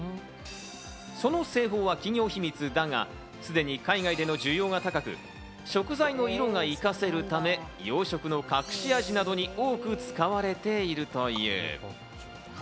その製法は企業秘密だが、すでに海外での需要が高く、食材の色が生かせるため、洋食の隠し味などによく使われているという。